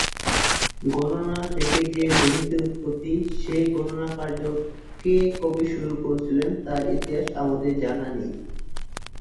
গণনা থেকে যে গণিতের উৎপত্তি সেই গণনা কার্য কে কবে শুরু করেছিলেন তার ইতিহাস আমাদের জানা নেই।